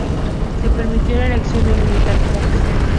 Se permitió la elección de un militar como presidente.